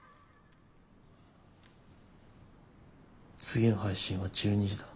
次の配信は１２時だ。